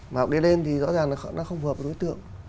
mà học để đi lên thì rõ ràng là nó không hợp với đối tượng